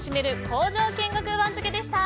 工場見学番付でした。